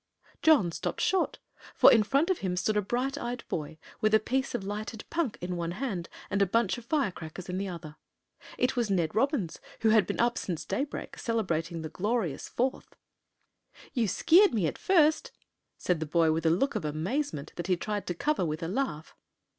John stopped short, for in front of him stood a bright eyed boy with a piece of lighted punk in one hand and a bunch of firecrackers in the other. It was Ned Robbins, who had been up since daybreak celebrating the Glorious Fourth. "You skeered me at first," said the boy, with a look of amazement that he tried to cover with a laugh.